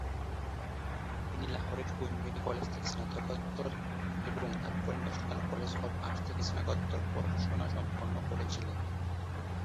তিনি লাহোরের Queen Mary college থেকে স্নাতকোত্তর এবং তারপরে ন্যাশনাল কলেজ অব আর্টস থেকে স্নাতকোত্তর পড়াশোনা সম্পন্ন করেছিলেন।